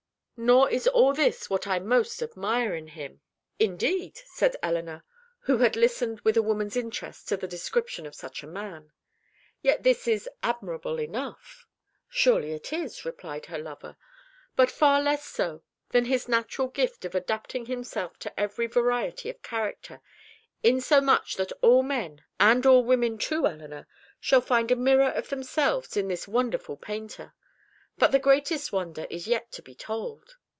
Nor is all this what I most admire in him." "Indeed!" said Elinor, who had listened with a woman's interest to the description of such a man. "Yet this is admirable enough." "Surely it is," replied her lover, "but far less so than his natural gift of adapting himself to every variety of character, insomuch that all men and all women too, Elinor shall find a mirror of themselves in this wonderful painter. But the greatest wonder is yet to be told."